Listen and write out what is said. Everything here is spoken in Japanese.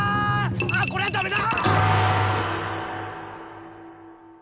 あっこりゃだめだ！